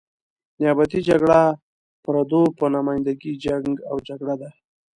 نیابتي جګړه پردو په نماینده ګي جنګ او جګړه ده.